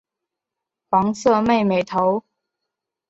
黄色妹妹头。